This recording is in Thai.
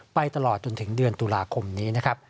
ไปตลอดจนถึงเดือนตุลาคมนี้นะครับ